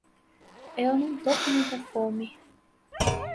Eu não tô com muita fome.